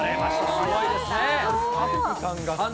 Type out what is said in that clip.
すごいですね。